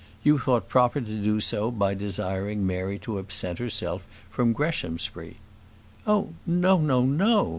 You thought proper to do so by desiring Mary to absent herself from Greshamsbury." "Oh, no, no, no!"